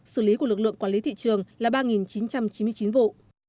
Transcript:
xử lý của lực lượng quản lý thị trường là ba chín trăm chín mươi chín vụ